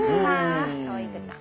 かわいこちゃん。